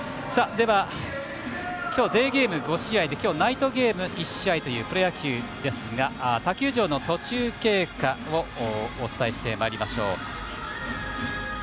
今日、デーゲーム５試合でナイトゲーム１試合というプロ野球ですが他球場の途中経過をお伝えしてまいりましょう。